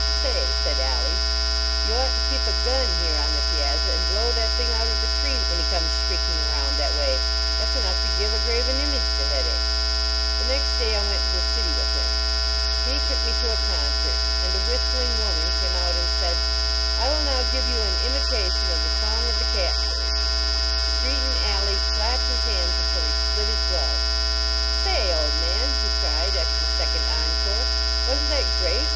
" Say," said Alleigh, "you ought to keep a gun here on the piazza and blow that thing out of the tree when he comes shrieking around that way. That s enough to give a graven image the headache." ... Hi tni>/. WOllJ in, I w//W: "/" H ill iwtr (Pad THK KATYDID IN OPF.KA The next day I went to the city with him. He took me to a concert, and a whistling woman came out and said : I will now give you an imitation of the Song of the cat bird." Strcaton Alleigh clapped his hands until he split his glove ." Say! old man," he cried after the sec ond encore, "wasn t that great?